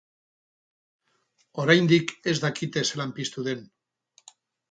Oraindik ez dakite zelan piztu den.